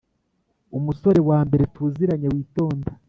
Umusore wambere tuziranye witonda